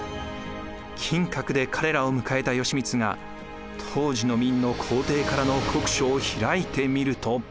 金閣で彼らを迎えた義満が当時の明の皇帝からの国書を開いてみると。